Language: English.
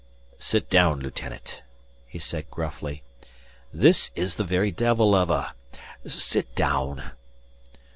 "Sit down, lieutenant," he said gruffly. "This is the very devil of a... sit down."